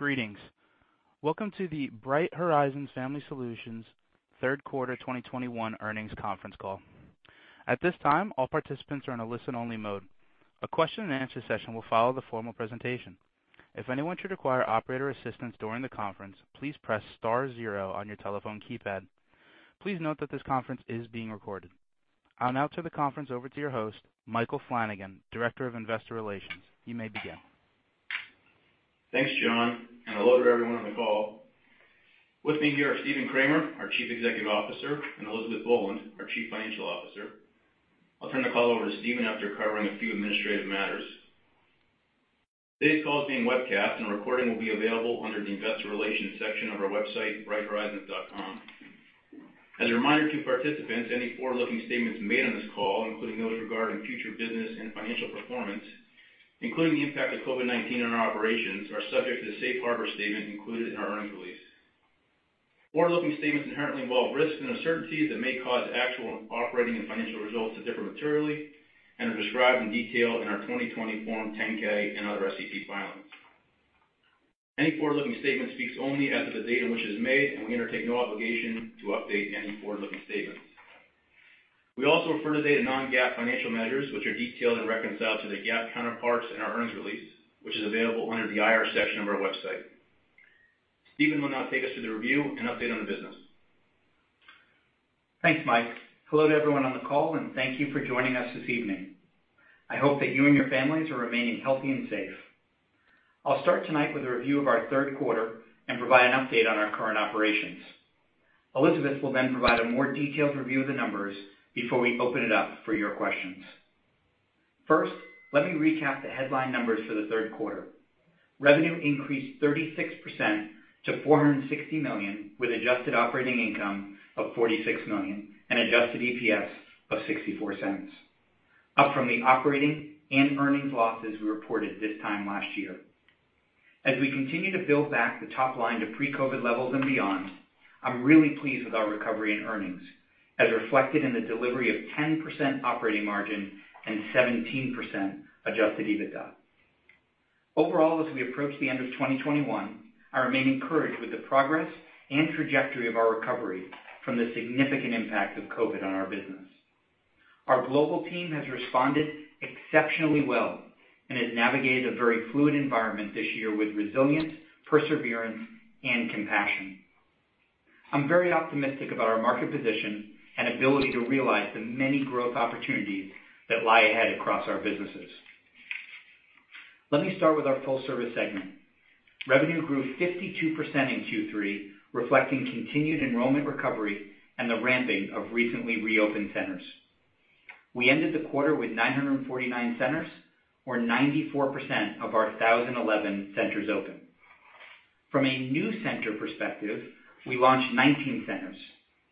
Greetings. Welcome to the Bright Horizons Family Solutions third quarter 2021 earnings conference call. At this time, all participants are in a listen-only mode. A question-and-answer session will follow the formal presentation. If anyone should require operator assistance during the conference, please press star zero on your telephone keypad. Please note that this conference is being recorded. I'll now turn the conference over to your host, Michael Flanagan, Director of Investor Relations. You may begin. Thanks, John, and hello to everyone on the call. With me here is Stephen Kramer, our Chief Executive Officer, and Elizabeth Boland, our Chief Financial Officer. I'll turn the call over to Stephen after covering a few administrative matters. Today's call is being webcast and a recording will be available under the Investor Relations section of our website, brighthorizons.com. As a reminder to participants, any forward-looking statements made on this call, including those regarding future business and financial performance, including the impact of COVID-19 on our operations, are subject to the safe harbor statement included in our earnings release. Forward-looking statements inherently involve risks and uncertainties that may cause actual operating and financial results to differ materially and are described in detail in our 2020 Form 10-K and other SEC filings. Any forward-looking statement speaks only as of the date on which it is made, and we undertake no obligation to update any forward-looking statements. We also refer today to non-GAAP financial measures which are detailed and reconciled to their GAAP counterparts in our earnings release, which is available under the IR section of our website. Stephen will now take us through the review and update on the business. Thanks, Mike. Hello to everyone on the call, and thank you for joining us this evening. I hope that you and your families are remaining healthy and safe. I'll start tonight with a review of our third quarter and provide an update on our current operations. Elizabeth will then provide a more detailed review of the numbers before we open it up for your questions. First, let me recap the headline numbers for the third quarter. Revenue increased 36% to $460 million, with adjusted operating income of $46 million and adjusted EPS of $0.64, up from the operating and earnings losses we reported this time last year. As we continue to build back the top line to pre-COVID levels and beyond, I'm really pleased with our recovery and earnings, as reflected in the delivery of 10% operating margin and 17% adjusted EBITDA. Overall, as we approach the end of 2021, I remain encouraged with the progress and trajectory of our recovery from the significant impact of COVID on our business. Our global team has responded exceptionally well and has navigated a very fluid environment this year with resilience, perseverance, and compassion. I'm very optimistic about our market position and ability to realize the many growth opportunities that lie ahead across our businesses. Let me start with our Full-Service segment. Revenue grew 52% in Q3, reflecting continued enrollment recovery and the ramping of recently reopened centers. We ended the quarter with 949 centers or 94% of our 1,011 centers open. From a new center perspective, we launched 19 centers,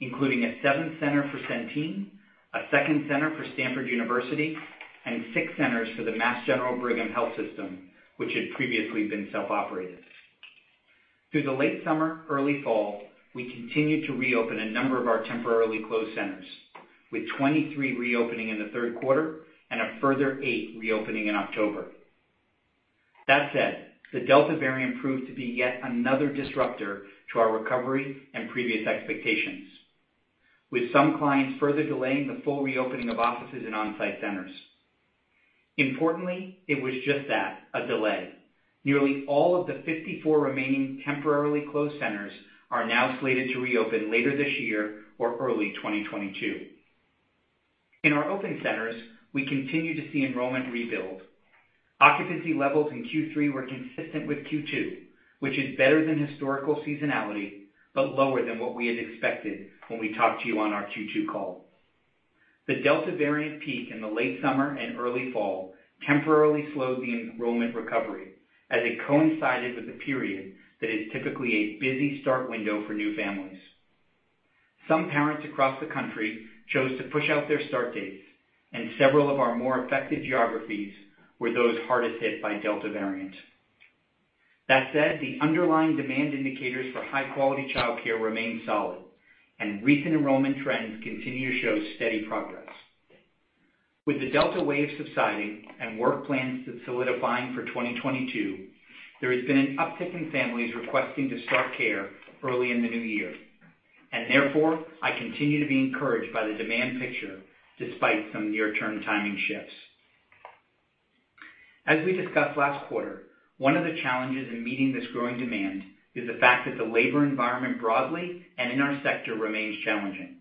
including a 7th center for Centene, a 2nd center for Stanford University, and 6 centers for the Mass General Brigham health system, which had previously been self-operated. Through the late summer, early fall, we continued to reopen a number of our temporarily closed centers, with 23 reopening in the third quarter and a further eight reopening in October. That said, the Delta variant proved to be yet another disruptor to our recovery and previous expectations, with some clients further delaying the full reopening of offices and on-site centers. Importantly, it was just that, a delay. Nearly all of the 54 remaining temporarily closed centers are now slated to reopen later this year or early 2022. In our open centers, we continue to see enrollment rebuild. Occupancy levels in Q3 were consistent with Q2, which is better than historical seasonality, but lower than what we had expected when we talked to you on our Q2 call. The Delta variant peak in the late summer and early fall temporarily slowed the enrollment recovery as it coincided with a period that is typically a busy start window for new families. Some parents across the country chose to push out their start dates, and several of our more effective geographies were those hardest hit by Delta variant. That said, the underlying demand indicators for high-quality childcare remain solid, and recent enrollment trends continue to show steady progress. With the Delta wave subsiding and work plans solidifying for 2022, there has been an uptick in families requesting to start care early in the new year. Therefore, I continue to be encouraged by the demand picture despite some near-term timing shifts. As we discussed last quarter, one of the challenges in meeting this growing demand is the fact that the labor environment broadly and, in our sector, remains challenging.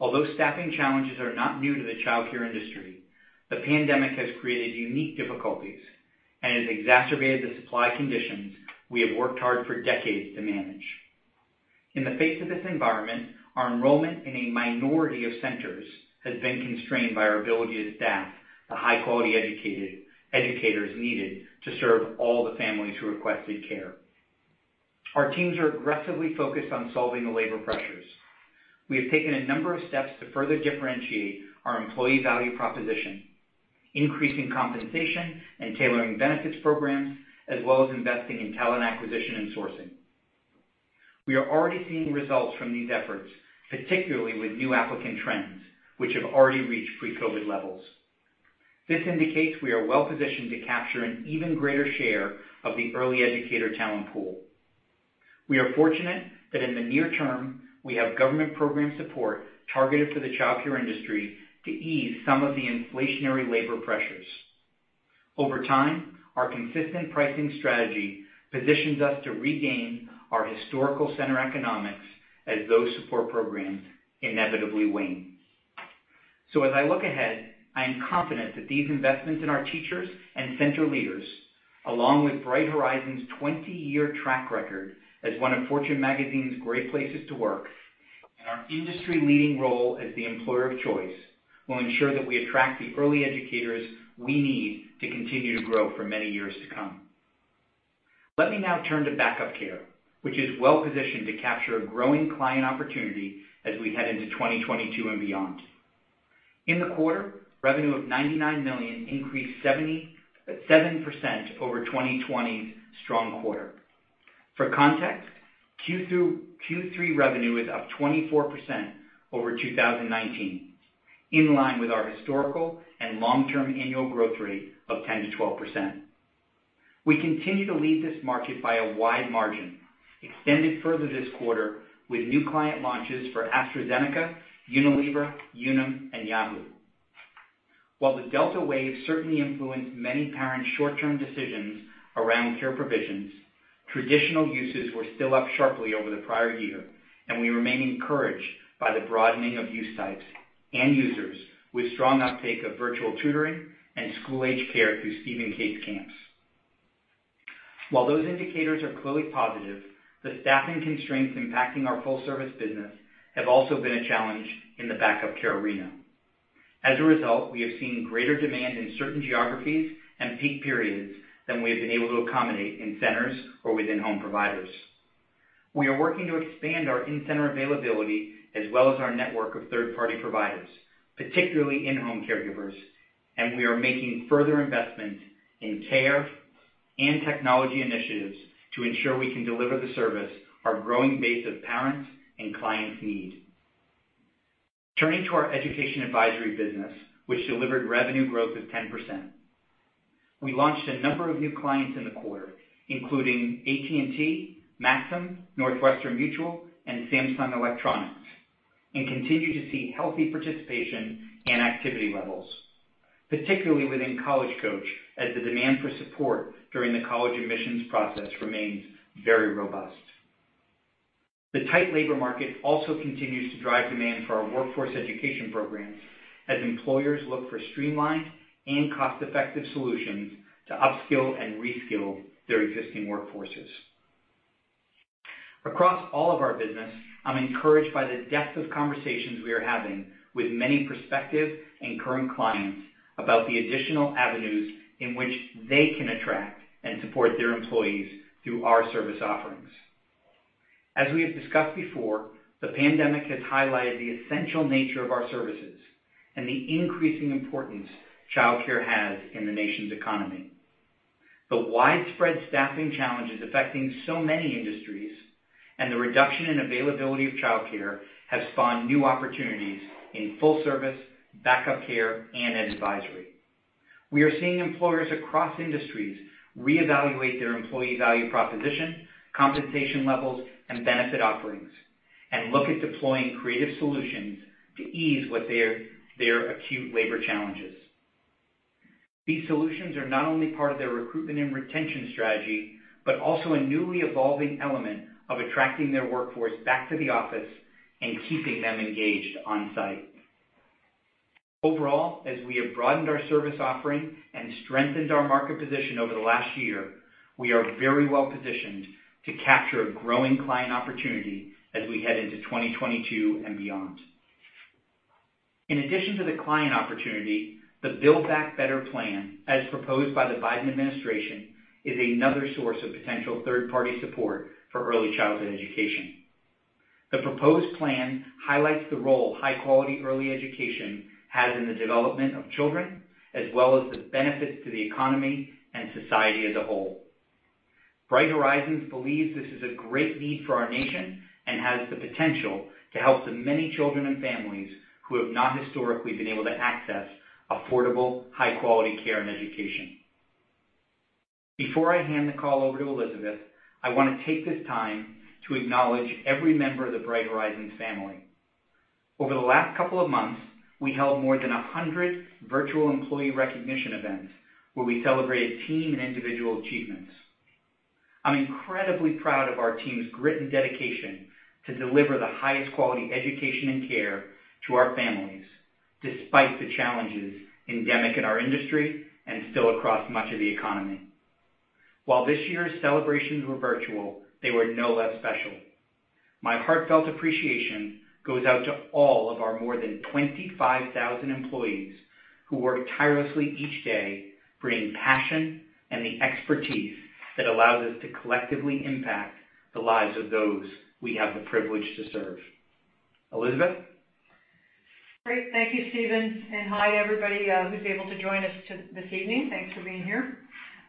Although staffing challenges are not new to the childcare industry, the pandemic has created unique difficulties and has exacerbated the supply conditions we have worked hard for decades to manage. In the face of this environment, our enrollment in a minority of centers has been constrained by our ability to staff the high-quality educators needed to serve all the families who requested care. Our teams are aggressively focused on solving the labor pressures. We have taken a number of steps to further differentiate our employee value proposition, increasing compensation and tailoring benefits programs, as well as investing in talent acquisition and sourcing. We are already seeing results from these efforts, particularly with new applicant trends, which have already reached pre-COVID levels. This indicates we are well-positioned to capture an even greater share of the early educator talent pool. We are fortunate that in the near term, we have government program support targeted for the childcare industry to ease some of the inflationary labor pressures. Over time, our consistent pricing strategy positions us to regain our historical center economics as those support programs inevitably wane. As I look ahead, I am confident that these investments in our teachers and center leaders, along with Bright Horizons 20-year track record as one of Fortune Magazine's great places to work and our industry-leading role as the employer of choice, will ensure that we attract the early educators we need to continue to grow for many years to come. Let me now turn to backup care, which is well-positioned to capture a growing client opportunity as we head into 2022 and beyond. In the quarter, revenue of $99 million increased 77% over 2020's strong quarter. For context, Q3 revenue is up 24% over 2019, in line with our historical and long-term annual growth rate of 10%-12%. We continue to lead this market by a wide margin, extended further this quarter with new client launches for AstraZeneca, Unilever, Unum, and Yahoo. While the Delta wave certainly influenced many parents' short-term decisions around care provisions, traditional uses were still up sharply over the prior year, and we remain encouraged by the broadening of use sites and users with strong uptake of virtual tutoring and school-age care through Steve & Kate's camps. While those indicators are clearly positive, the staffing constraints impacting our Full-Service business have also been a challenge in the backup care arena. As a result, we have seen greater demand in certain geographies and peak periods than we have been able to accommodate in centers or within home providers. We are working to expand our in-center availability as well as our network of third-party providers, particularly in-home caregivers, and we are making further investment in care and technology initiatives to ensure we can deliver the service our growing base of parents and clients need. Turning to our Education Advisory business, which delivered revenue growth of 10%. We launched a number of new clients in the quarter, including AT&T, Maxar, Northwestern Mutual, and Samsung Electronics, and continue to see healthy participation and activity levels, particularly within College Coach, as the demand for support during the college admissions process remains very robust. The tight labor market also continues to drive demand for our workforce education programs as employers look for streamlined and cost-effective solutions to upskill and reskill their existing workforces. Across all of our business, I'm encouraged by the depth of conversations we are having with many prospective and current clients about the additional avenues in which they can attract and support their employees through our service offerings. As we have discussed before, the pandemic has highlighted the essential nature of our services, and the increasing importance childcare has in the nation's economy. The widespread staffing challenges affecting so many industries and the reduction in availability of childcare has spawned new opportunities in Full Service, Backup Care, and Advisory. We are seeing employers across industries reevaluate their employee value proposition, compensation levels, and benefit offerings, and look at deploying creative solutions to ease what their acute labor challenges. These solutions are not only part of their recruitment and retention strategy, but also a newly evolving element of attracting their workforce back to the office and keeping them engaged on-site. Overall, as we have broadened our service offering and strengthened our market position over the last year, we are very well-positioned to capture a growing client opportunity as we head into 2022 and beyond. In addition to the client opportunity, the Build Back Better plan, as proposed by the Biden administration, is another source of potential third-party support for early childhood education. The proposed plan highlights the role high-quality early education has in the development of children, as well as the benefits to the economy and society as a whole. Bright Horizons believes this is a great need for our nation and has the potential to help the many children and families who have not historically been able to access affordable, high-quality care and education. Before I hand the call over to Elizabeth, I want to take this time to acknowledge every member of the Bright Horizons family. Over the last couple of months, we held more than 100 virtual employee recognition events where we celebrated team and individual achievements. I'm incredibly proud of our team's grit and dedication to deliver the highest quality education and care to our families, despite the challenges endemic in our industry and still across much of the economy. While this year's celebrations were virtual, they were no less special. My heartfelt appreciation goes out to all of our more than 25,000 employees who work tirelessly each day, bringing passion and the expertise that allows us to collectively impact the lives of those we have the privilege to serve. Elizabeth? Great. Thank you, Stephen, and hi, everybody, who's able to join us to this evening. Thanks for being here.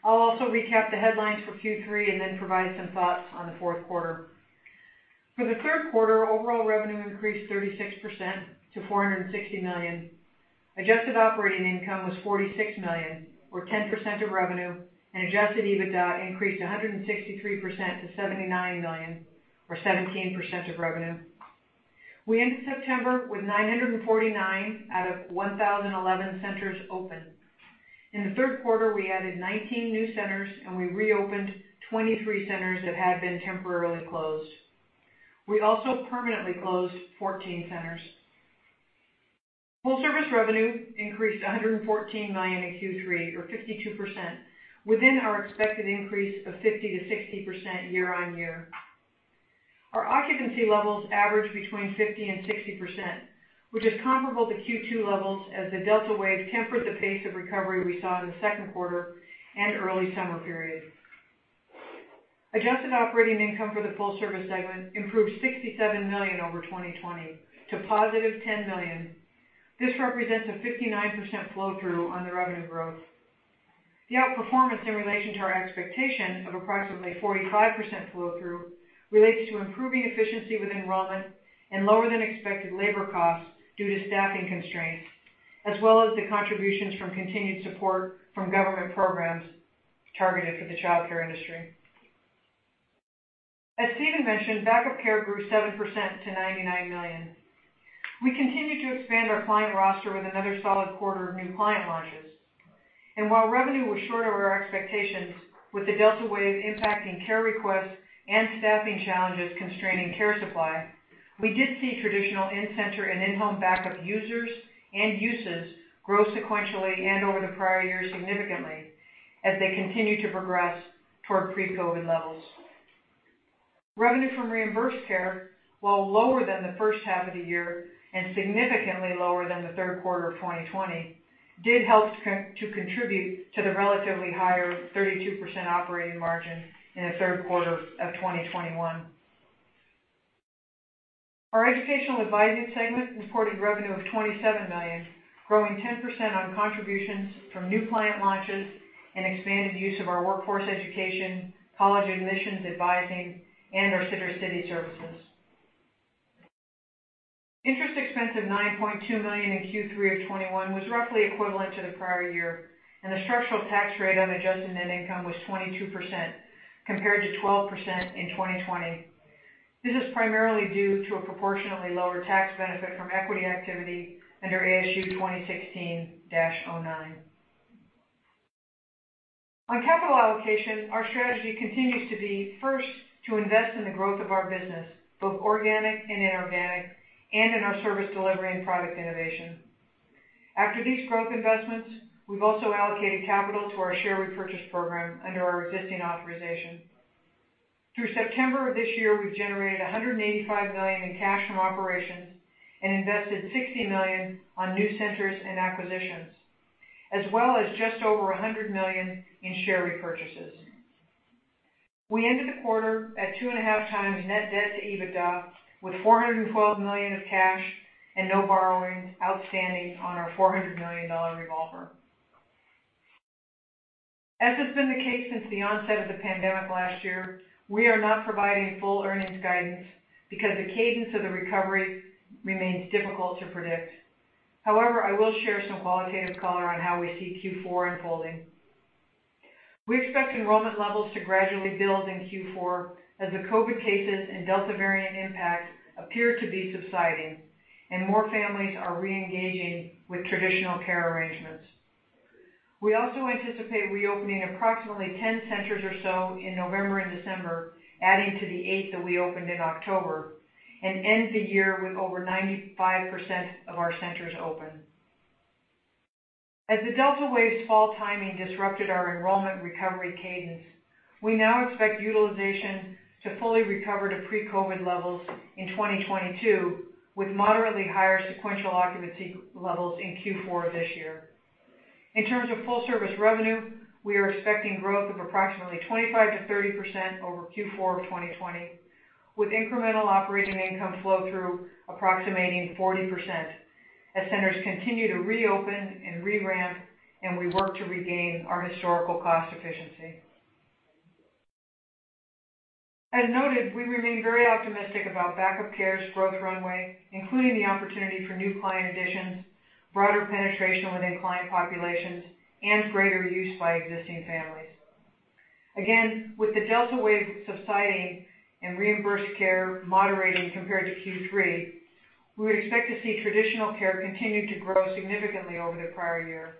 I'll also recap the headlines for Q3 and then provide some thoughts on the fourth quarter. For the third quarter, overall revenue increased 36% to $460 million. Adjusted operating income was $46 million or 10% of revenue, and adjusted EBITDA increased 163% to $79 million or 17% of revenue. We ended September with 949 out of 1,011 centers open. In the third quarter, we added 19 new centers, and we reopened 23 centers that had been temporarily closed. We also permanently closed 14 centers. Full-Service revenue increased $114 million in Q3 or 52% within our expected increase of 50%-60% year-on-year. Our occupancy levels averaged between 50% and 60%, which is comparable to Q2 levels as the Delta wave tempered the pace of recovery we saw in the second quarter and early summer period. Adjusted operating income for the Full-Service segment improved $67 million over 2020 to positive $10 million. This represents a 59% flow through on the revenue growth. The outperformance in relation to our expectation of approximately 45% flow through relates to improving efficiency with enrollment and lower than expected labor costs due to staffing constraints, as well as the contributions from continued support from government programs targeted for the childcare industry. As Stephen mentioned, Back-Up Care grew 7% to $99 million. We continue to expand our client roster with another solid quarter of new client launches. While revenue was short of our expectations, with the Delta wave impacting care requests and staffing challenges constraining care supply, we did see traditional in-center and in-home backup users and uses grow sequentially and over the prior year significantly as they continue to progress toward pre-COVID-19 levels. Revenue from reimbursed care, while lower than the first half of the year and significantly lower than the third quarter of 2020, did help to contribute to the relatively higher 32% operating margin in the third quarter of 2021. Our Educational Advisory segment reported revenue of $27 million, growing 10% on contributions from new client launches and expanded use of our workforce education, college admissions advising, and our Sittercity services. Interest expense of $9.2 million in Q3 2021 was roughly equivalent to the prior year, and the structural tax rate on adjusted net income was 22%, compared to 12% in 2020. This is primarily due to a proportionately lower tax benefit from equity activity under ASU 2016-09. On capital allocation, our strategy continues to be first, to invest in the growth of our business, both organic and inorganic, and in our service delivery and product innovation. After these growth investments, we've also allocated capital to our share repurchase program under our existing authorization. Through September of this year, we've generated $185 million in cash from operations and invested $60 million on new centers and acquisitions, as well as just over $100 million in share repurchases. We ended the quarter at 2.5x net debt to EBITDA, with $412 million of cash and no borrowings outstanding on our $400 million revolver. As has been the case since the onset of the pandemic last year, we are not providing full earnings guidance because the cadence of the recovery remains difficult to predict. However, I will share some qualitative color on how we see Q4 unfolding. We expect enrollment levels to gradually build in Q4 as the COVID cases and Delta variant impact appear to be subsiding and more families are re-engaging with traditional care arrangements. We also anticipate reopening approximately 10 centers or so in November and December, adding to the eight that we opened in October, and end the year with over 95% of our centers open. As the Delta wave's fall timing disrupted our enrollment recovery cadence, we now expect utilization to fully recover to pre-COVID levels in 2022, with moderately higher sequential occupancy levels in Q4 of this year. In terms of Full-Service revenue, we are expecting growth of approximately 25%-30% over Q4 of 2020, with incremental operating income flow through approximating 40% as centers continue to reopen and re-ramp, and we work to regain our historical cost efficiency. As noted, we remain very optimistic about Back-Up Care's growth runway, including the opportunity for new client additions, broader penetration within client populations, and greater use by existing families. With the Delta wave subsiding and reimbursed care moderating compared to Q3, we would expect to see traditional care continue to grow significantly over the prior year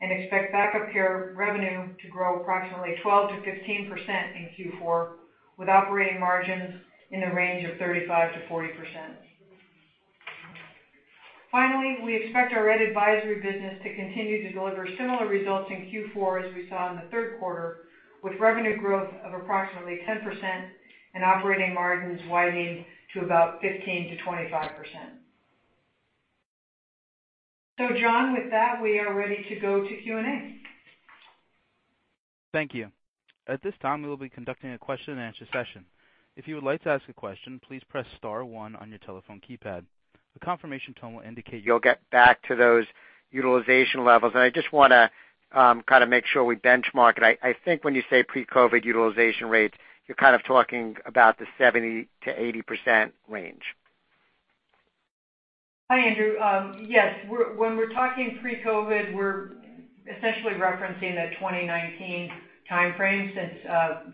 and expect back-up care revenue to grow approximately 12%-15% in Q4, with operating margins in the range of 35%-40%. Finally, we expect our Education Advisory business to continue to deliver similar results in Q4 as we saw in the third quarter, with revenue growth of approximately 10% and operating margins widening to about 15%-25%. John, with that, we are ready to go to Q&A. Thank you. At this time, we will be conducting a question-and-answer session. If you would like to ask a question, please press star one on your telephone keypad. You'll get back to those utilization levels. I just wanna kind of make sure we benchmark it. I think when you say pre-COVID utilization rates, your kind of talking about the 70%-80% range. Hi, Andrew. Yes. When we're talking pre-COVID, we're essentially referencing the 2019 timeframe since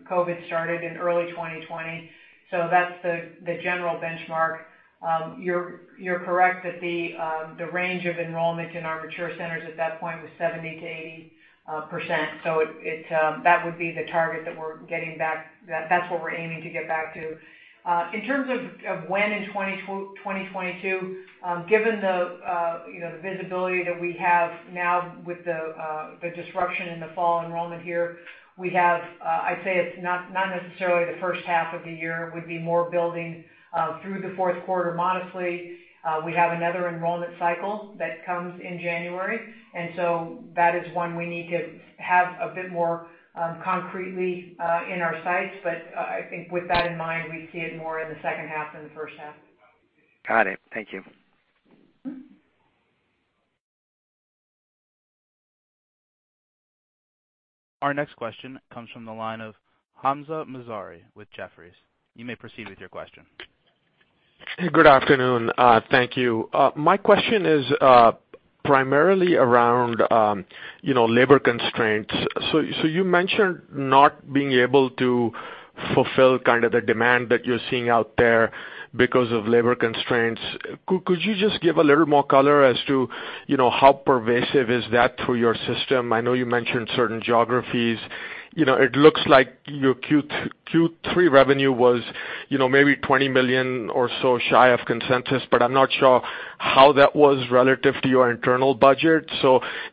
COVID started in early 2020. That's the general benchmark. You're correct that the range of enrollment in our mature centers at that point was 70%-80%. That would be the target that we're getting back. That's what we're aiming to get back to. In terms of when in 2022, given you know the visibility that we have now with the disruption in the fall enrollment here, I'd say it's not necessarily the first half of the year. It would be more building through the fourth quarter modestly. We have another enrollment cycle that comes in January, and so that is one we need to have a bit more concretely in our sights. I think with that in mind, we see it more in the second half than the first half. Got it. Thank you. Mm-hmm. Our next question comes from the line of Hamzah Mazari with Jefferies. You may proceed with your question. Hey, good afternoon. Thank you. My question is primarily around, you know, labor constraints. You mentioned not being able to fulfill kind of the demand that you're seeing out there because of labor constraints. Could you just give a little more color as to, you know, how pervasive is that through your system? I know you mentioned certain geographies. You know, it looks like your Q3 revenue was, you know, maybe $20 million or so shy of consensus, but I'm not sure how that was relative to your internal budget.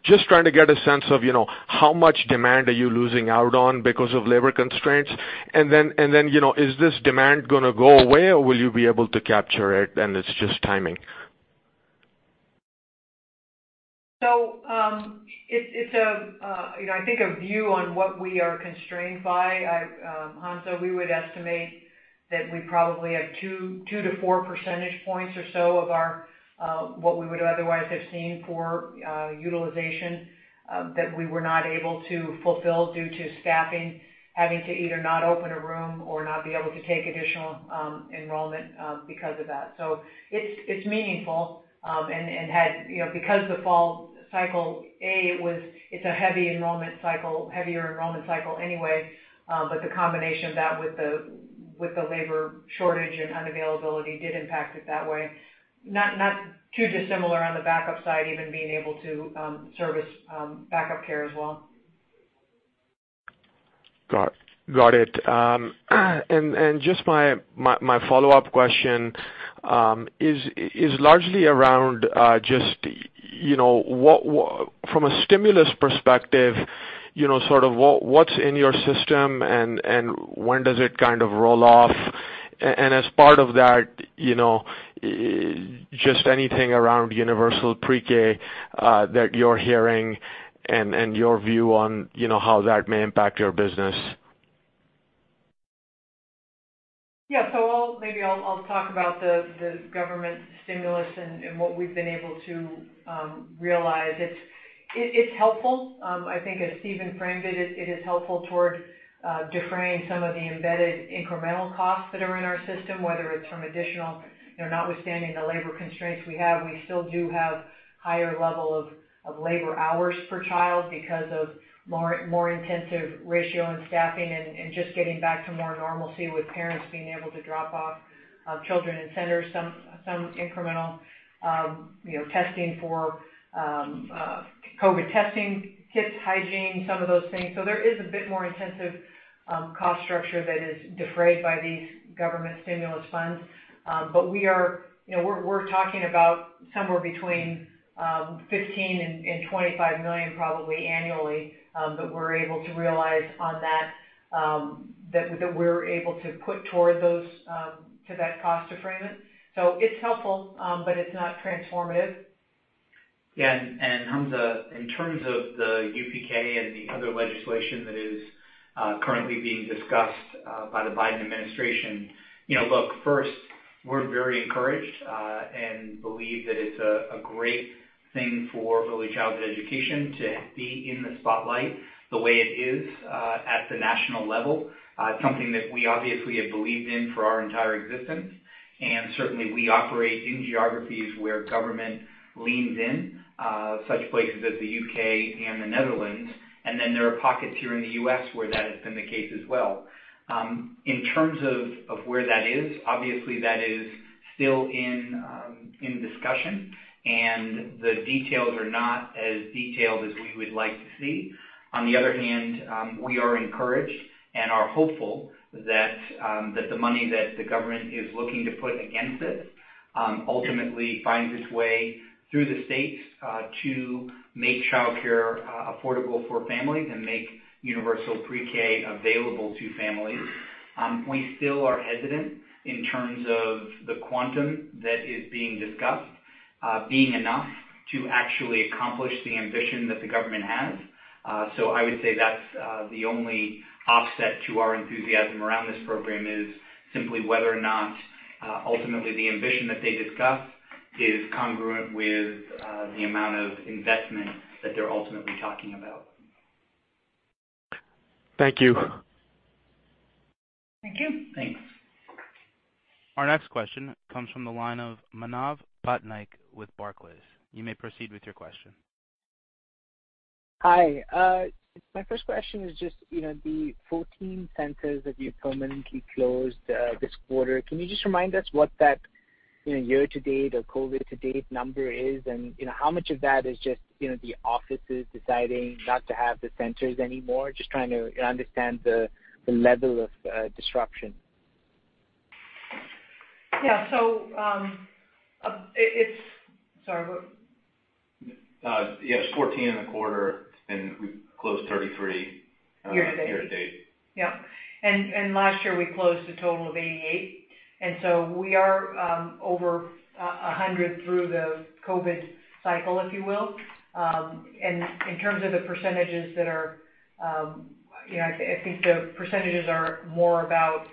Just trying to get a sense of, you know, how much demand are you losing out on because of labor constraints. And then, you know, is this demand gonna go away, or will you be able to capture it, and it's just timing? You know, I think it's a view on what we are constrained by. Hamza, we would estimate that we probably have 2-4 percentage points or so of our, what we would otherwise have seen for utilization that we were not able to fulfill due to staffing, having to either not open a room or not be able to take additional enrollment because of that. It's meaningful. And had, because the fall cycle, it's a heavy enrollment cycle, heavier enrollment cycle anyway, but the combination of that with the labor shortage and unavailability did impact it that way. Not too dissimilar on the backup side, even being able to service backup care as well. Got it. Just my follow-up question is largely around just, you know, from a stimulus perspective, you know, sort of what's in your system and when does it kind of roll off? As part of that, you know, just anything around universal pre-K that you're hearing and your view on, you know, how that may impact your business. Yeah. Maybe I'll talk about the government stimulus and what we've been able to realize. It's helpful. I think as Stephen framed it is helpful toward defraying some of the embedded incremental costs that are in our system, whether it's from additional, you know, notwithstanding the labor constraints we have. We still do have higher level of labor hours per child because of more intensive ratio and staffing and just getting back to more normalcy with parents being able to drop off children in centers. Some incremental, you know, testing for COVID testing kits, hygiene, some of those things. There is a bit more intensive cost structure that is defrayed by these government stimulus funds. You know, we're talking about somewhere between $15 million and $25 million probably annually that we're able to realize on that we're able to put toward that cost defrayment. It's helpful, but it's not transformative. Yeah. Hamzah, in terms of the UPK and the other legislation that is currently being discussed by the Biden administration, you know, look, first, we're very encouraged and believe that it's a great thing for early childhood education to be in the spotlight the way it is at the national level. It's something that we obviously have believed in for our entire existence. Certainly, we operate in geographies where government leans in, such places as the U.K. and the Netherlands, and then there are pockets here in the U.S. where that has been the case as well. In terms of where that is, obviously, that is still in discussion, and the details are not as detailed as we would like to see. On the other hand, we are encouraged and are hopeful that the money that the government is looking to put against this ultimately finds its way through the states to make childcare affordable for families and make universal pre-K available to families. We still are hesitant in terms of the quantum that is being discussed being enough to actually accomplish the ambition that the government has. I would say that's the only offset to our enthusiasm around this program is simply whether or not ultimately the ambition that they discuss is congruent with the amount of investment that they're ultimately talking about. Thank you. Thank you. Thanks. Our next question comes from the line of Manav Patnaik with Barclays. You may proceed with your question. Hi. My first question is just, you know, the 14 centers that you permanently closed this quarter, can you just remind us what that, you know, year-to-date or COVID-to-date number is, and, you know, how much of that is just, you know, the offices deciding not to have the centers anymore? Just trying to understand the level of disruption. Yeah. Sorry, what? Yes, 14 in the quarter, and we closed 33. Year-to-date year-to-date. Last year, we closed a total of 88. We are over 100 through the COVID cycle, if you will. In terms of the percentages that are, you know, I think the percentages are more about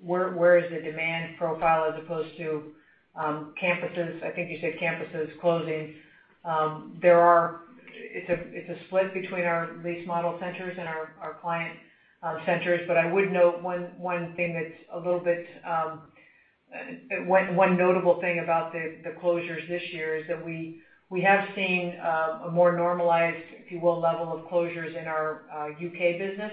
where the demand profile is as opposed to campuses, I think you said, campuses closing. It's a split between our lease model centers and our client centers. I would note one thing it's a little bit notable thing about the closures this year is that we have seen a more normalized, if you will, level of closures in our U.K. business.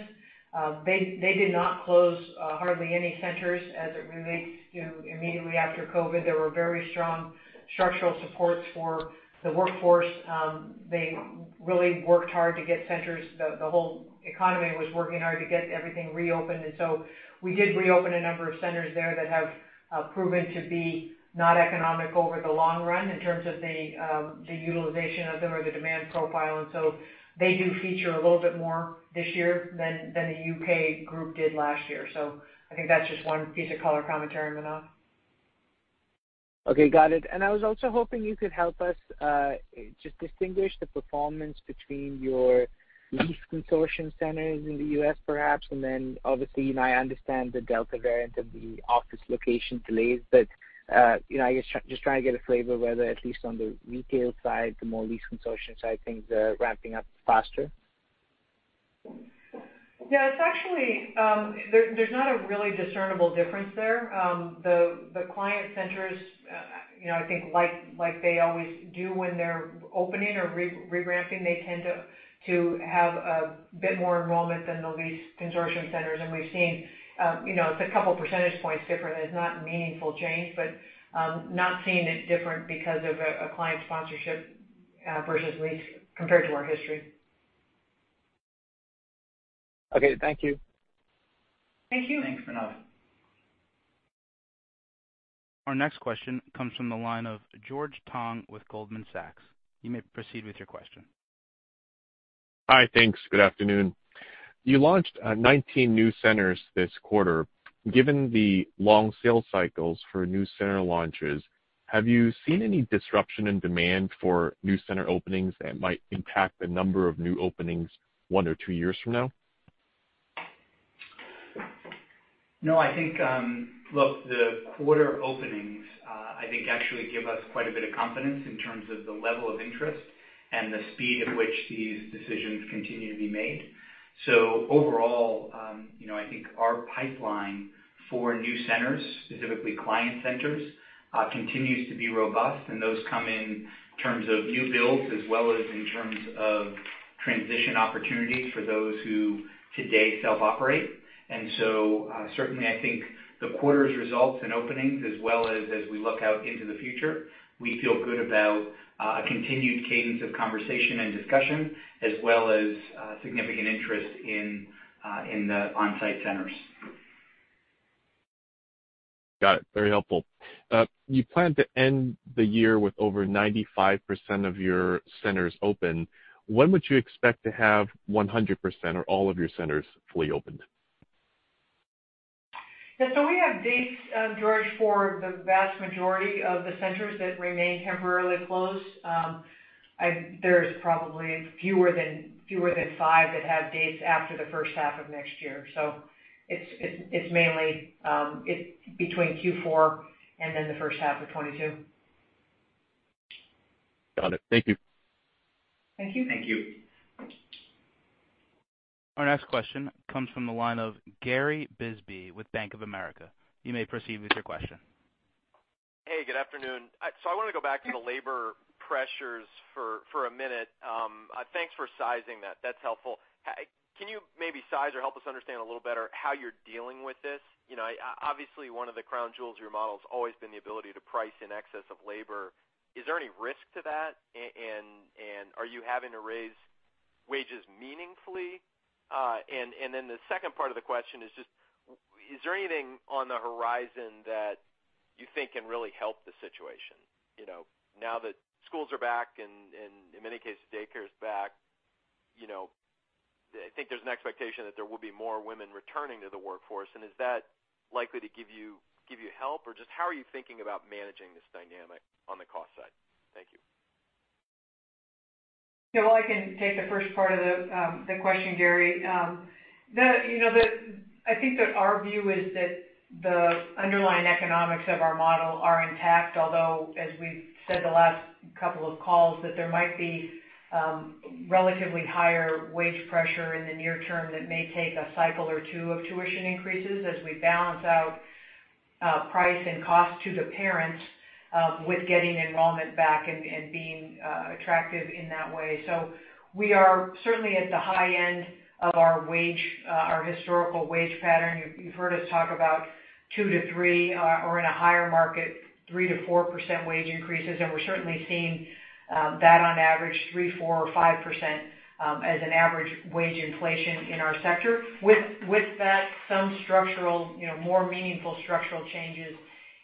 They did not close hardly any centers as it relates to immediately after COVID. There were very strong structural supports for the workforce. They really worked hard to get centers. The whole economy was working hard to get everything reopened. We did reopen a number of centers there that have proven to be not economic over the long run in terms of the utilization of them or the demand profile. They do feature a little bit more this year than the U.K. group did last year. I think that's just one piece of color commentary, Manav. Okay. Got it. I was also hoping you could help us, just distinguish the performance between your lease consortium centers in the U.S. perhaps, and then obviously, you know, I understand the Delta variant and the office location delays, but, you know, I guess just trying to get a flavor whether at least on the retail side, the more lease consortium side, things are ramping up faster. Yeah. It's actually. There's not a really discernible difference there. The client centers, you know, I think like they always do when they're opening or re-ramping, they tend to have a bit more enrollment than the lease consortium centers. We've seen, you know, it's a couple percentage points different. It's not meaningful change but not seeing it different because of a client sponsorship versus lease compared to our history. Okay. Thank you. Thank you. Thanks, Manav. Our next question comes from the line of George Tong with Goldman Sachs. You may proceed with your question. Hi. Thanks. Good afternoon. You launched 19 new centers this quarter. Given the long sales cycles for new center launches, have you seen any disruption in demand for new center openings that might impact the number of new openings one or two years from now? No. I think, look, the quarter openings, I think actually give us quite a bit of confidence in terms of the level of interest and the speed at which these decisions continue to be made. Overall, you know, I think our pipeline for new centers, specifically client centers, continues to be robust, and those come in terms of new builds as well as in terms of transition opportunities for those who today self-operate. Certainly, I think the quarter's results and openings as well as we look out into the future, we feel good about a continued cadence of conversation and discussion as well as significant interest in the onsite centers. Got it. Very helpful. You plan to end the year with over 95% of your centers open. When would you expect to have 100% or all of your centers fully opened? Yeah. We have dates, George, for the vast majority of the centers that remain temporarily closed. There's probably fewer than five that have dates after the first half of next year. It's mainly between Q4 and then the first half of 2022. Got it. Thank you. Thank you. Thank you. Our next question comes from the line of Gary Bisbee with Bank of America. You may proceed with your question. Hey, good afternoon. I want to go back to the labor pressures for a minute. Thanks for sizing that. That's helpful. Can you maybe size or help us understand a little better how you're dealing with this? You know, obviously, one of the crown jewels of your model's always been the ability to price in excess of labor. Is there any risk to that? And are you having to raise wages meaningfully? And then the second part of the question is just, is there anything on the horizon that you think can really help the situation, you know, now that schools are back and, in many cases, daycare is back, you know. I think there's an expectation that there will be more women returning to the workforce. Is that likely to give you help? Just how are you thinking about managing this dynamic on the cost side? Thank you. Yeah, well, I can take the first part of the question, Gary. The, you know, I think that our view is that the underlying economics of our model are intact, although, as we've said the last couple of calls, that there might be relatively higher wage pressure in the near term that may take a cycle or two of tuition increases as we balance out price and cost to the parents with getting enrollment back and being attractive in that way. We are certainly at the high end of our wage, our historical wage pattern. You've heard us talk about 2%-3% or, in a higher market, 3%-4% wage increases. We're certainly seeing that on average 3%, 4% or 5% as an average wage inflation in our sector. With that, some structural, you know, more meaningful structural changes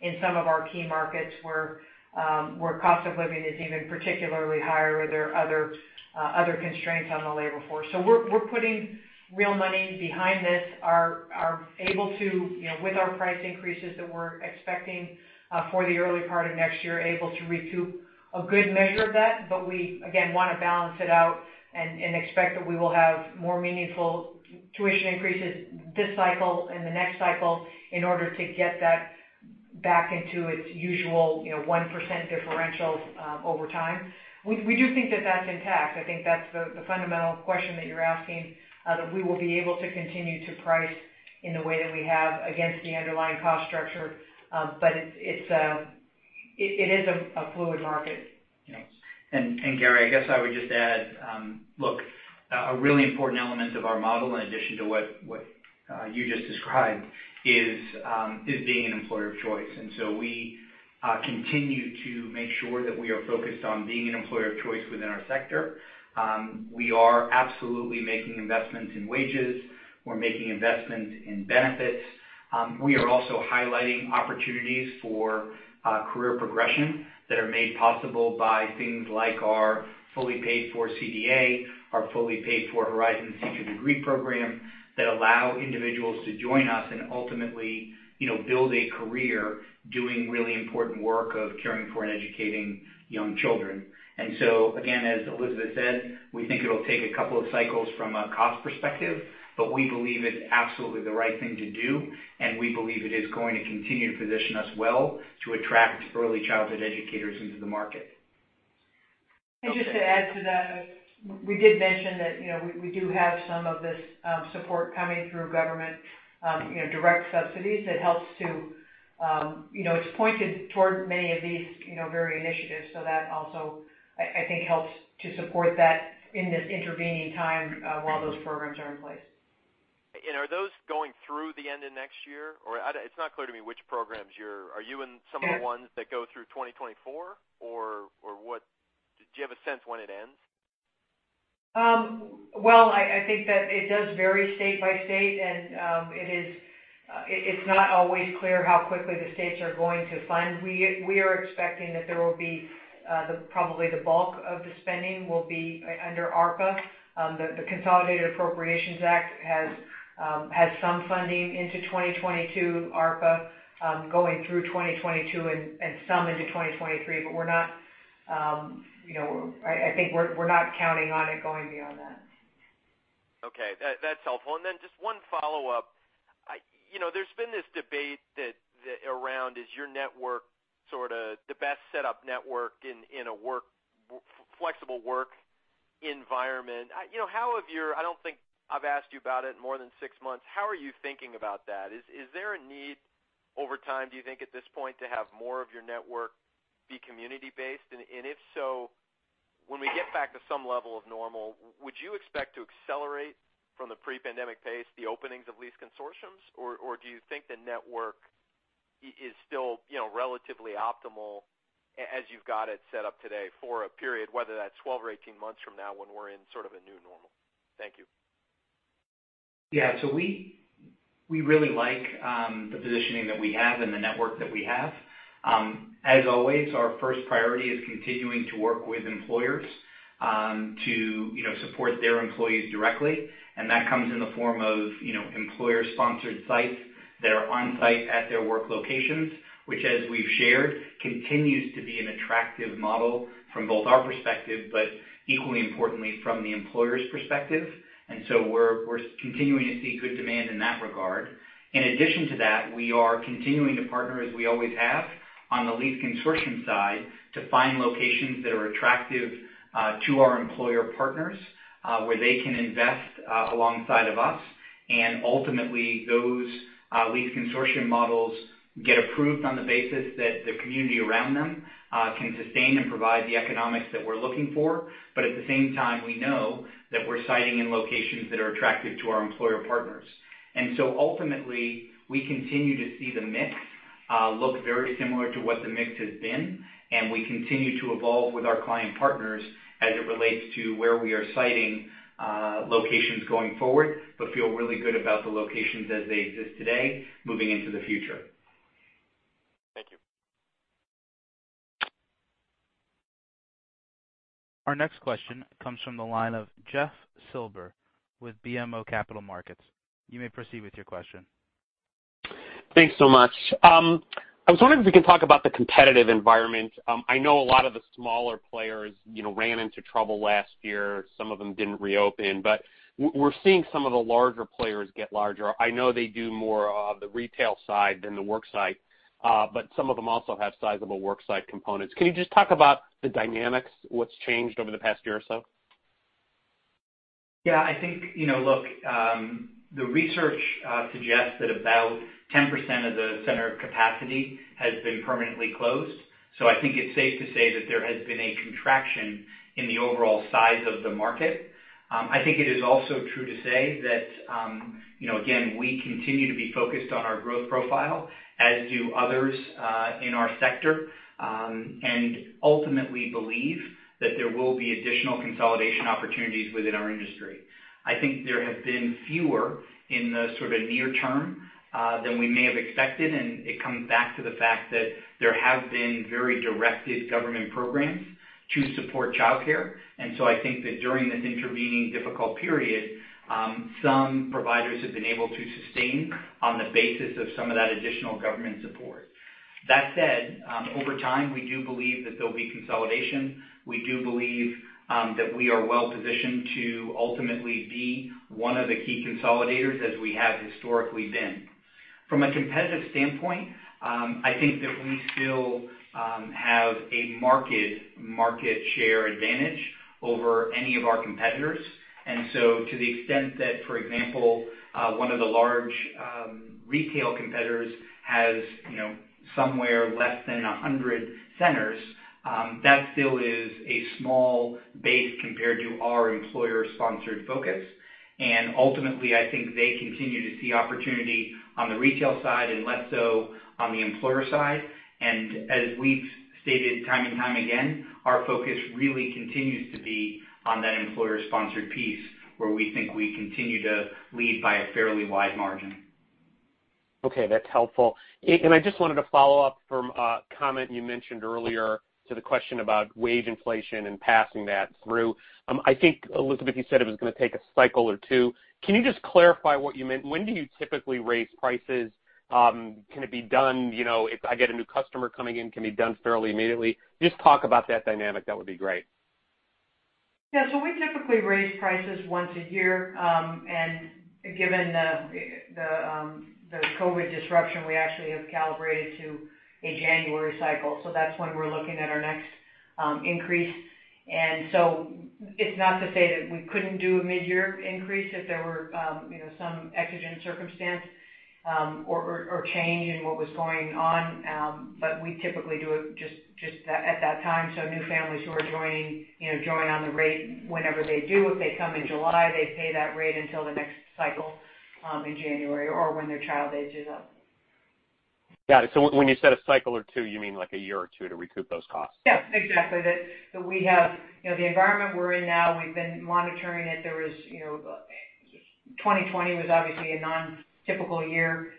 in some of our key markets where cost of living is even particularly higher, where there are other constraints on the labor force. We're putting real money behind this. We are able to, you know, with our price increases that we're expecting for the early part of next year, able to recoup a good measure of that, but we again wanna balance it out and expect that we will have more meaningful tuition increases this cycle and the next cycle in order to get that back into its usual, you know, 1% differential over time. We do think that that's intact. I think that's the fundamental question that you're asking, that we will be able to continue to price in the way that we have against the underlying cost structure. But it's a fluid market. You know Gary, I guess I would just add, look, a really important element of our model, in addition to what you just described, is being an employer of choice. We continue to make sure that we are focused on being an employer of choice within our sector. We are absolutely making investments in wages. We're making investments in benefits. We are also highlighting opportunities for career progression that are made possible by things like our fully paid for CDA, our fully paid for Horizons Teacher Degree Program, that allow individuals to join us and ultimately, you know, build a career doing really important work of caring for and educating young children. Again, as Elizabeth said, we think it'll take a couple of cycles from a cost perspective, but we believe it's absolutely the right thing to do, and we believe it is going to continue to position us well to attract early childhood educators into the market. Just to add to that, we did mention that, you know, we do have some of this support coming through government, you know, direct subsidies that helps to, you know, it's pointed toward many of these, you know, very initiatives. That also, I think, helps to support that in this intervening time, while those programs are in place. Are those going through the end of next year? Or it's not clear to me which programs you're in. Are you in some of the ones that go through 2024 or what? Do you have a sense when it ends? Well, I think that it does vary state by state, and it's not always clear how quickly the states are going to fund. We are expecting that probably the bulk of the spending will be under ARPA. The Consolidated Appropriations Act has some funding into 2022, ARPA going through 2022 and some into 2023. You know, I think we're not counting on it going beyond that. Okay. That's helpful. Just one follow-up. You know, there's been this debate around is your network sort of the best setup network in a flexible work environment? You know, I don't think I've asked you about it in more than six months. How are you thinking about that? Is there a need over time, do you think at this point, to have more of your network be community-based? If so, when we get back to some level of normal, would you expect to accelerate from the pre-pandemic pace, the openings of lease consortiums? Do you think the network is still, you know, relatively optimal as you've got it set up today for a period, whether that's 12 or 18 months from now when we're in sort of a new normal? Thank you. We really like the positioning that we have and the network that we have. As always, our first priority is continuing to work with employers to you know support their employees directly, and that comes in the form of you know employer-sponsored sites that are on-site at their work locations, which as we've shared continues to be an attractive model from both our perspective, but equally importantly, from the employer's perspective. We're continuing to see good demand in that regard. In addition to that, we are continuing to partner as we always have on the lease consortium side to find locations that are attractive to our employer partners where they can invest alongside of us. Ultimately, those lease consortium models get approved on the basis that the community around them can sustain and provide the economics that we're looking for. At the same time, we know that we're siting in locations that are attractive to our employer partners. Ultimately, we continue to see the mix look very similar to what the mix has been, and we continue to evolve with our client partners as it relates to where we are siting locations going forward. Feel really good about the locations as they exist today moving into the future. Our next question comes from the line of Jeffrey Silber with BMO Capital Markets. You may proceed with your question. Thanks so much. I was wondering if we can talk about the competitive environment. I know a lot of the smaller players, you know, ran into trouble last year. Some of them didn't reopen, but we're seeing some of the larger players get larger. I know they do more of the retail side than the work site, but some of them also have sizable work site components. Can you just talk about the dynamics, what's changed over the past year or so? Yeah, I think, you know, look, the research suggests that about 10% of the center capacity has been permanently closed. So, I think it's safe to say that there has been a contraction in the overall size of the market. I think it is also true to say that, you know, again, we continue to be focused on our growth profile, as do others, in our sector, and ultimately believe that there will be additional consolidation opportunities within our industry. I think there have been fewer in the sort of near term, than we may have expected, and it comes back to the fact that there have been very directed government programs to support childcare. I think that during this intervening difficult period, some providers have been able to sustain on the basis of some of that additional government support. That said, over time, we do believe that there'll be consolidation. We do believe that we are well-positioned to ultimately be one of the key consolidators as we have historically been. From a competitive standpoint, I think that we still have a market share advantage over any of our competitors. To the extent that, for example, one of the large retail competitors has, you know, somewhere less than 100 centers, that still is a small base compared to our employer-sponsored focus. Ultimately, I think they continue to see opportunity on the retail side and less so on the employer side. As we've stated time and time again, our focus really continues to be on that employer-sponsored piece where we think we continue to lead by a fairly wide margin. Okay, that's helpful. I just wanted to follow up from a comment you mentioned earlier to the question about wage inflation and passing that through. I think, Elizabeth, you said it was gonna take a cycle or two. Can you just clarify what you meant? When do you typically raise prices? Can it be done, you know, if I get a new customer coming in, can it be done fairly immediately? Just talk about that dynamic. That would be great. Yeah. We typically raise prices once a year. Given the COVID disruption, we actually have calibrated to a January cycle. That's when we're looking at our next increase. It's not to say that we couldn't do a mid-year increase if there were you know some exigent circumstance or change in what was going on. We typically do it just at that time. New families who are joining you know join on the rate whenever they do. If they come in July, they pay that rate until the next cycle in January or when their child ages up. Got it. When you set a cycle or two, you mean like a year or two to recoup those costs? Yeah, exactly. That we have. You know, the environment we're in now, we've been monitoring it. There was, you know, 2020 was obviously a non-typical year.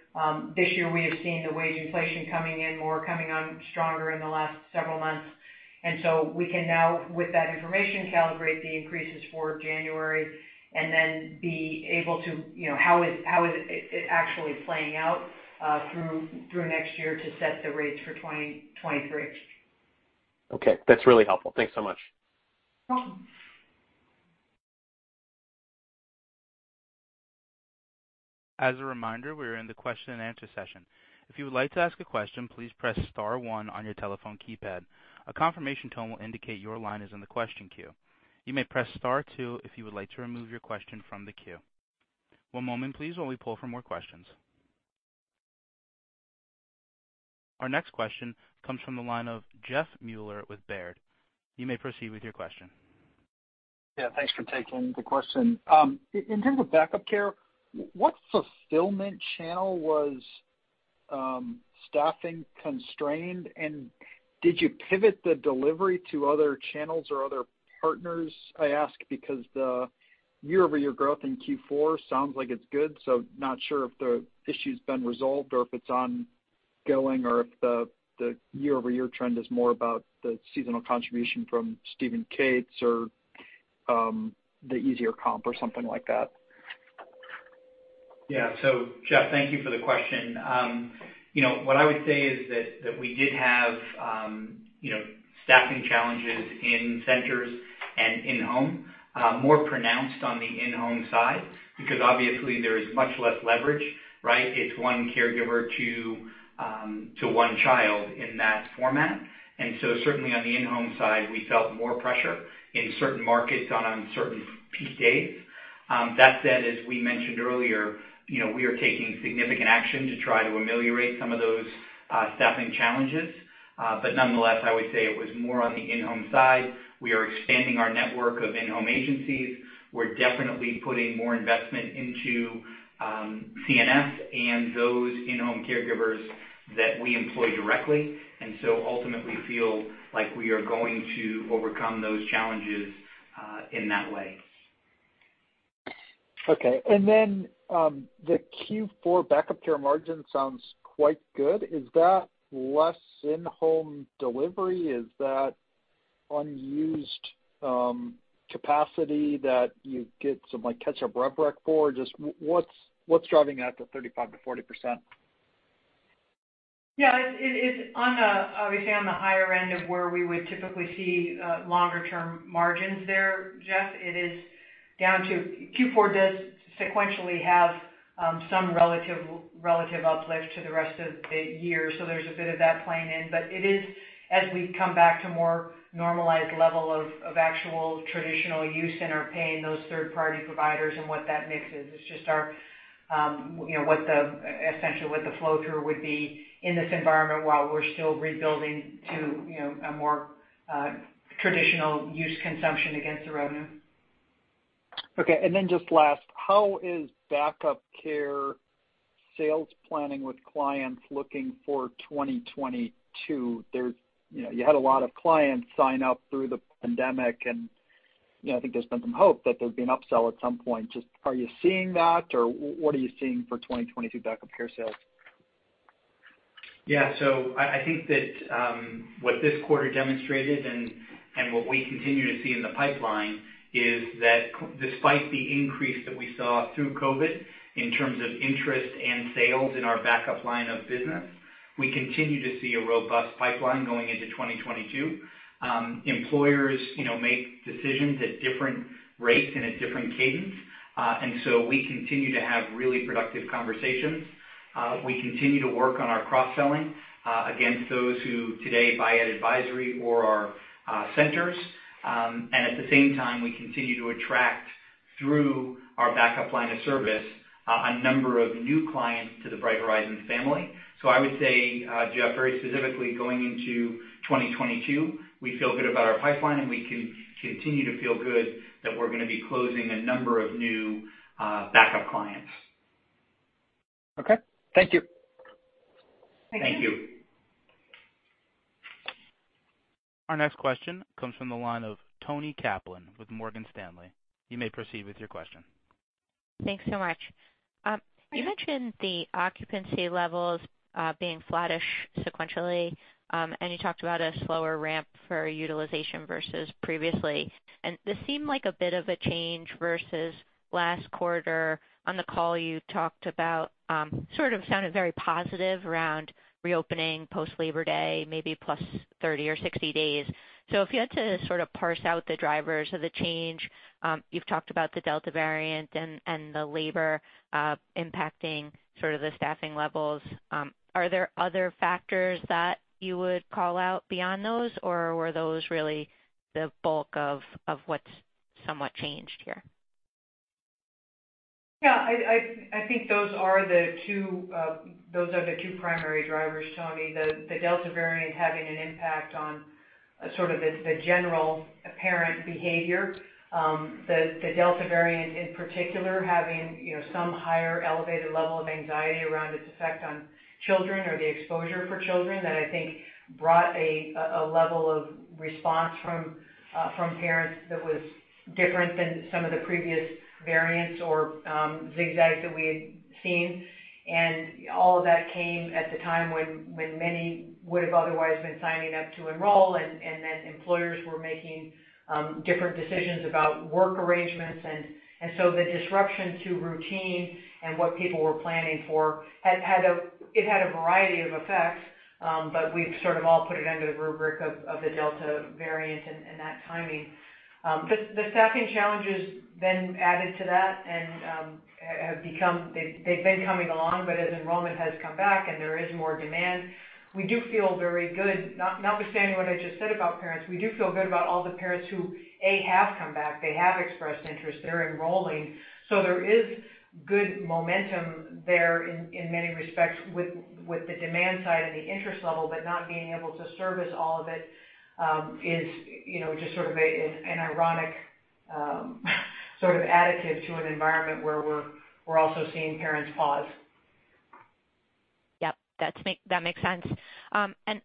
This year, we have seen the wage inflation coming in more, coming on stronger in the last several months. We can now, with that information, calibrate the increases for January and then be able to, you know, how is it actually playing out through next year to set the rates for 2023. Okay. That's really helpful. Thanks so much. Welcome. As a reminder, we are in the question-and-answer session. If you would like to ask a question, please press star one on your telephone keypad. A confirmation tone will indicate your line is in the question queue. You may press star two if you would like to remove your question from the queue. One moment, please, while we pull for more questions. Our next question comes from the line of Jeffrey Meuler with Baird. You may proceed with your question. Yeah, thanks for taking the question. In terms of backup care, what fulfillment channel was staffing constrained? Did you pivot the delivery to other channels or other partners? I ask because the year-over-year growth in Q4 sounds like it's good, so I'm not sure if the issue's been resolved or if it's ongoing or if the year-over-year trend is more about the seasonal contribution from Steve & Kate's or the easier comp or something like that. Yeah. Jeff, thank you for the question. You know, what I would say is that we did have you know, staffing challenges in centers and in-home, more pronounced on the in-home side because obviously there is much less leverage, right? It's one caregiver to one child in that format. Certainly, on the in-home side, we felt more pressure in certain markets on certain peak days. That said, as we mentioned earlier, you know, we are taking significant action to try to ameliorate some of those staffing challenges. Nonetheless, I would say it was more on the in-home side. We are expanding our network of in-home agencies. We're definitely putting more investment into CNS and those in-home caregivers that we employ directly. Ultimately feel like we are going to overcome those challenges, in that way. Okay. The Q4 backup care margin sounds quite good. Is that less in-home delivery? Is that unused capacity that you get some, like, catch-up rev rec for? Just what's driving that to 35%-40%? Yeah. It is, obviously, on the higher end of where we would typically see longer-term margins there, Jeff. It is down to Q4 does sequentially have some relative uplift to the rest of the year, so there's a bit of that playing in. But it is as we come back to more normalized level of actual traditional use and are paying those third-party providers and what that mix is. It's just, you know, essentially what the flow-through would be in this environment while we're still rebuilding to, you know, a more traditional use consumption against the revenue. Okay. Then just last: How is backup care sales planning with clients looking for 2022? You know, you had a lot of clients sign up through the pandemic and, you know, I think there's been some hope that there'd be an upsell at some point. Just are you seeing that or what are you seeing for 2022 backup care sales? Yeah. I think that what this quarter demonstrated and what we continue to see in the pipeline is that despite the increase that we saw through COVID in terms of interest and sales in our backup line of business, we continue to see a robust pipeline going into 2022. Employers, you know, make decisions at different rates and at different cadence, and so we continue to have really productive conversations. We continue to work on our cross-selling against those who today buy our advisory or our centers. And at the same time, we continue to attract through our backup line of service a number of new clients to the Bright Horizons family. I would say, Jeff, very specifically, going into 2022, we feel good about our pipeline, and we continue to feel good that we're gonna be closing a number of new backup clients. Okay. Thank you. Thank you. Thank you. Our next question comes from the line of Toni Kaplan with Morgan Stanley. You may proceed with your question. Thanks so much. You mentioned the occupancy levels being flattish sequentially, and you talked about a slower ramp for utilization versus previously. This seemed like a bit of a change versus last quarter. On the call, you talked about sort of sounded very positive around reopening post Labor Day, maybe +30 or 60 days. If you had to sort of parse out the drivers of the change, you've talked about the Delta variant and the labor impacting sort of the staffing levels. Are there other factors that you would call out beyond those, or were those really the bulk of what's somewhat changed here? Yeah. I think those are the two primary drivers, Toni. The Delta variant having an impact on sort of the general parent behavior, the Delta variant in particular having you know some higher elevated level of anxiety around its effect on children or the exposure for children that I think brought a level of response from parents that was different than some of the previous variants or zigzags that we had seen. All of that came at the time when many would have otherwise been signing up to enroll, and then employers were making different decisions about work arrangements. So, the disruption to routine and what people were planning for had a It had a variety of effects, but we've sort of all put it under the rubric of the Delta variant and that timing. The staffing challenges then added to that and have become. They've been coming along, but as enrollment has come back and there is more demand, we do feel very good. Notwithstanding what I just said about parents, we do feel good about all the parents who have come back. They have expressed interest. They're enrolling. There is good momentum there in many respects with the demand side and the interest level, but not being able to service all of it is, you know, just sort of an ironic sort of additive to an environment where we're also seeing parents pause. Yep. That makes sense.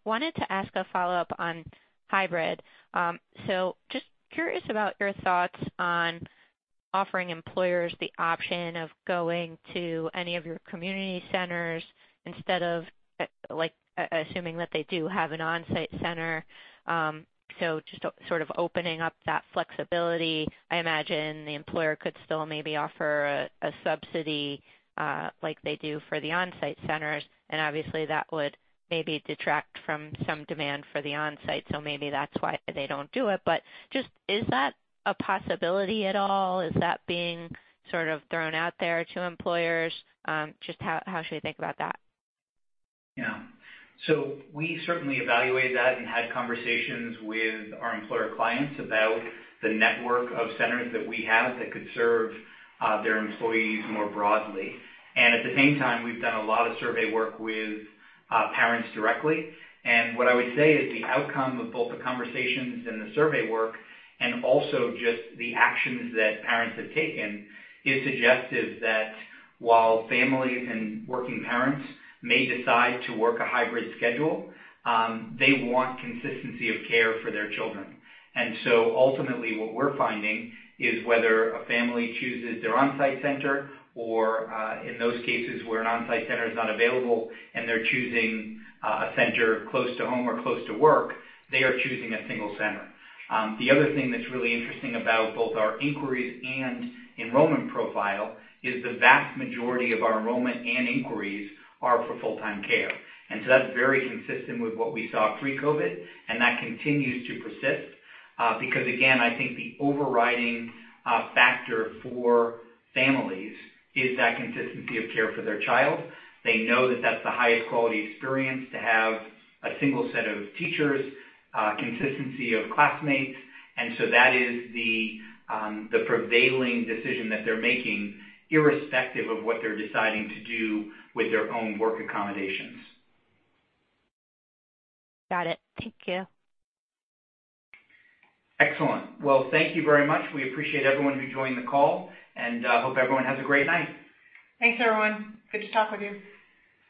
Wanted to ask a follow-up on hybrid. Just curious about your thoughts on offering employers the option of going to any of your community centers instead of, like, assuming that they do have an on-site center. Just sort of opening up that flexibility. I imagine the employer could still maybe offer a subsidy, like they do for the on-site centers, and obviously, that would maybe detract from some demand for the on-site, so maybe that's why they don't do it. Is that a possibility at all? Is that being sort of thrown out there to employers? Just how should we think about that? Yeah. We certainly evaluate that and had conversations with our employer clients about the network of centers that we have that could serve their employees more broadly. At the same time, we've done a lot of survey work with parents directly. What I would say is the outcome of both the conversations and the survey work and also just the actions that parents have taken is suggestive that while families and working parents may decide to work a hybrid schedule, they want consistency of care for their children. Ultimately, what we're finding is whether a family chooses their on-site center or in those cases where an on-site center is not available and they're choosing a center close to home or close to work, they are choosing a single center. The other thing that's really interesting about both our inquiries and enrollment profile is the vast majority of our enrollment and inquiries are for full-time care. That's very consistent with what we saw pre-COVID, and that continues to persist, because again, I think the overriding factor for families is that consistency of care for their child. They know that that's the highest quality experience to have a single set of teachers, consistency of classmates. That is the prevailing decision that they're making irrespective of what they're deciding to do with their own work accommodations. Got it. Thank you. Excellent. Well, thank you very much. We appreciate everyone who joined the call, and hope everyone has a great night. Thanks, everyone. Good to talk with you.